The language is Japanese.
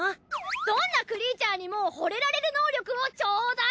どんなクリーチャーにも惚れられる能力をちょうだい！